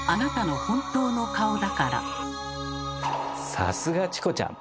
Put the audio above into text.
さすがチコちゃん！